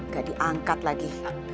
gak diangkat lagi